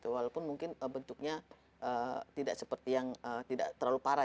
walaupun mungkin bentuknya tidak seperti yang tidak terlalu parah